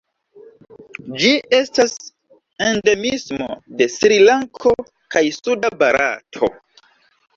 Ĝi estas endemismo de Srilanko kaj suda Barato.